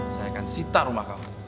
saya akan sita rumah kamu